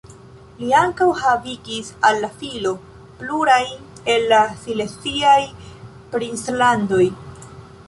Li ankaŭ havigis al la filo plurajn el la sileziaj princlandoj.